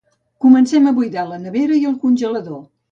Comencem a buidar la nevera i el congelador